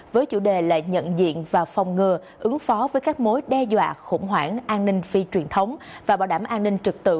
với chủ đề là nhận diện và phòng ngừa ứng phó với các mối đe dọa khủng hoảng an ninh phi truyền thống và bảo đảm an ninh trực tự